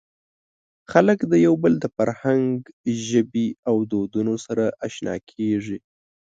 خلک د یو بل د فرهنګ، ژبې او دودونو سره اشنا کېږي.